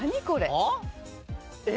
これ。